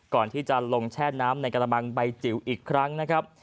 ก่อนที่จะลงแช่น้ำในกระมังใบจิ๋วอีกครั้งนะครับ